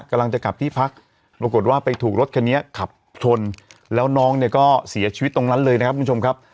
กำลังจะกลับที่พักปรากฏว่าไปถูกรถคันนี้ขับชนแล้วน้องเนี่ยก็เสียชีวิตตรงนั้นเลยนะครับคุณผู้ชมครับ